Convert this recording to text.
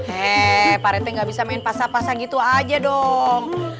hei pak rete gak bisa main pasang pasang gitu aja dong